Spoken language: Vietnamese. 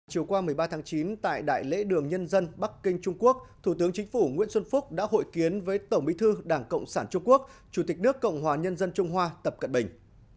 chiều qua một mươi ba tháng chín tại đại lễ đường nhân dân bắc kinh trung quốc thủ tướng chính phủ nguyễn xuân phúc đã hội kiến với tổng bí thư đảng cộng sản trung quốc chủ tịch nước cộng hòa nhân dân trung hoa tập cận bình